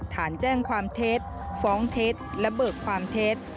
ฐานแจ้งความเทศฟ้องเทศระเบิกความเทศ